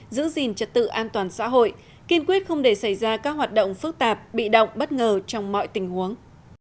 giữ gìn trật tự an toàn xã hội kiên quyết không để xảy ra các hoạt động phức tạp bị động bất ngờ trong mọi tình huống